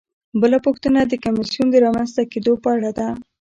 بله پوښتنه د کمیسیون د رامنځته کیدو په اړه ده.